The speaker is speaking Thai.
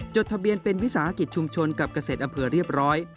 ทะเบียนเป็นวิสาหกิจชุมชนกับเกษตรอำเภอเรียบร้อย